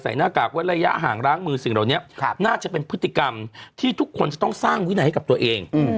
หน้ากากเว้นระยะห่างล้างมือสิ่งเหล่านี้น่าจะเป็นพฤติกรรมที่ทุกคนจะต้องสร้างวินัยให้กับตัวเอง